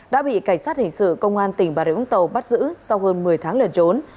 đã bị cảnh sát hình sự công an tỉnh bà rịa úng tàu bắt giữ sau hơn một mươi tháng lần trốn